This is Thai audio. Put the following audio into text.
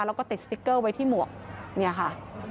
แล้วก็ติดสติ๊กเกอร์ไว้ที่หมวกเนี่ยค่ะ